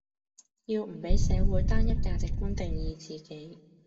要唔比社會單一價值觀定義自己